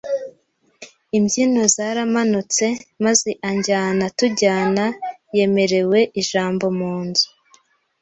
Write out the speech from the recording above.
Imbyino zaramanutse, maze anjyana tujyana, yemerewe ijambo mu nzu.